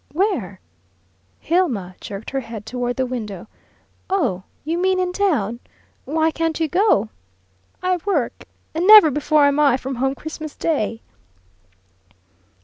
"Where?" Hilma jerked her head toward the window. "Oh, you mean in town? Why can't you go?" "I work. And never before am I from home Christmas day."